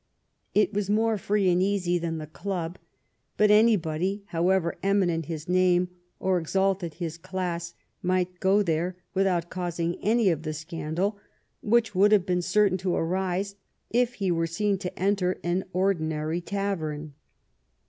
It was more free and easy than the club, but anybody, however eminent his name or ex alted his class, might go there without causing any of the scandal which would have been certain to arise if he were seen to enter an ordinary tavern.